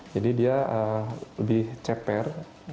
jadi dia lebih ceper